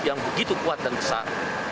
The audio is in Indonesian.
yang begitu kuat dan besar